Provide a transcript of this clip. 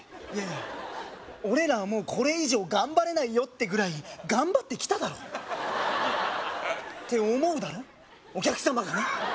いやいや俺らはもうこれ以上頑張れないよってぐらい頑張ってきただろって思うだろお客様がね